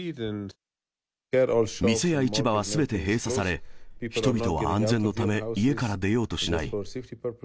店や市場はすべて閉鎖され、人々は安全のため、家から出ようとしない。